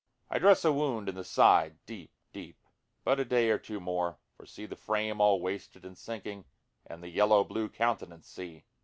I dress a wound in the side, deep, deep, But a day or two more, for see the frame all wasted and sinking, And the yellow blue countenance see.